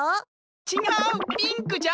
ちがうピンクじゃ！